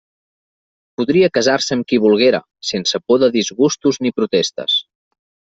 Podria casar-se amb qui volguera, sense por de disgustos ni protestes.